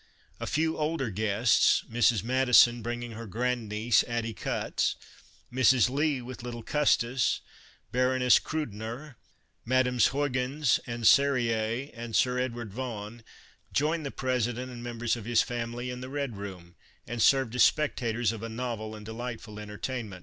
A few older guests, Mrs. Madison bringing her grand niece, Addie Cutts ; Mrs. Lee with little Custis, Baroness Krudener, Mesdames Huygens and Serrurier and Sir Edward Vaughn, joined the Presi dent and members of his family in the Red Room and served as spectators of a novel and delightful entertainment.